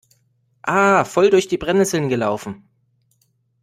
Ah, voll durch die Brennnesseln gelaufen!